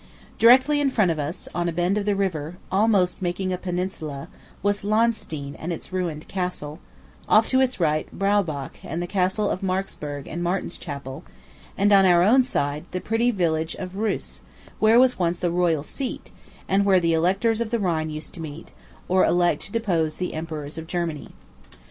Directly in front of us, on a bend of the river, almost making a peninsula, was Lahnstein and its ruined castle; off to its right, Braubach, and the Castle of Marksburg and Martin's Chapel; and, on our own side, the pretty village of Rheus, where was once "the royal seat," and where the electors of the Rhine used to meet, to elect or depose the emperors of Germany.